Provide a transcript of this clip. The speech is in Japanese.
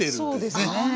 そうですね。